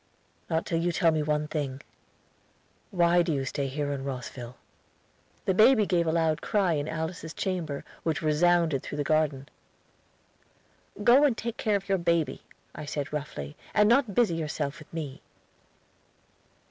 "Not till you tell me one thing. Why do you stay in Rosville?" The baby gave a loud cry in Alice's chamber which resounded through the garden. "Go and take care of your baby," I said roughly, "and not busy yourself with me."